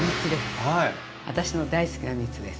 私の大好きな３つです。